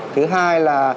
thứ hai là